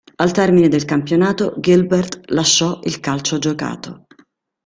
Al termine del campionato Gilbert lasciò il calcio giocato.